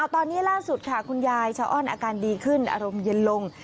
ตอนนี้ล่าสุดค่ะคุณยายชะอ้อนอาการดีขึ้นอารมณ์เย็นลง